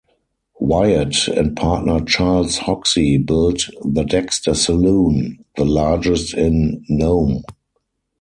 Wyatt and partner Charles Hoxie built the Dexter Saloon, the largest in Nome.